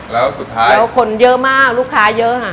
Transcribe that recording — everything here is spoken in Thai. แล้วคนเยอะมากลูกค้าเยอะ